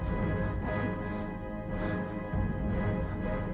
jadi kamu pergi dari sini